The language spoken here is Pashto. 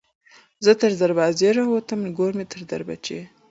ـ زه تر دروازې راوتم نګور مې تر دريچې